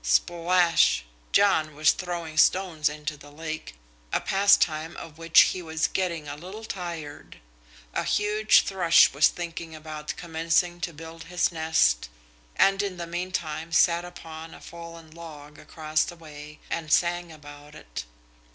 Splash! John was throwing stones into the lake, a pastime of which he was getting a little tired. A huge thrush was thinking about commencing to build his nest, and in the meantime sat upon a fallen log across the way and sang about it.